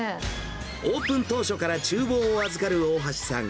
オープン当初からちゅう房を預かる大橋さん。